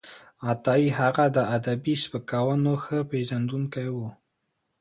عطايي هغه د ادبي سبکونو ښه پېژندونکی و.